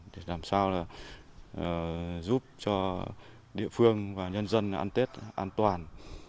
để làm sao giúp cho địa phương và nhân dân ăn tết an toàn